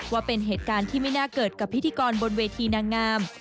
ว่าเป็นเหตุการณ์ที่ไม่น่าเกิดกับพิธีกรบนเวทีนางงาม